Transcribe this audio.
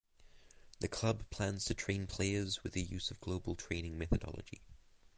The club plans to train players with the use of global training methodology.